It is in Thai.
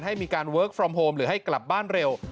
ให้มีการเวิร์คฟรอมโฮมหรือให้กลับบ้านเร็ว